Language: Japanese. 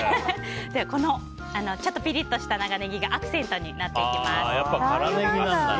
このピリッとした長ネギがアクセントになっていきます。